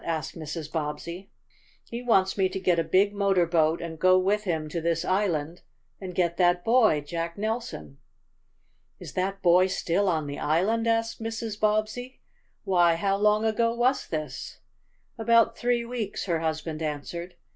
asked Mrs. Bobbsey. "He wants me to get a big motor boat, and go with him to this island and get that boy, Jack Nelson." "Is that boy still on the island?" asked Mrs. Bobbsey. "Why how long ago was this?" "About three weeks," her husband answered.